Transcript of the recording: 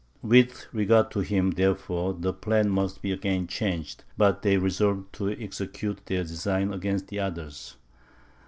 With regard to him, therefore, their plan must be again changed; but they resolved to execute their design against the others.